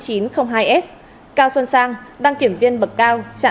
cao xuân sang đăng kiểm viên bậc cao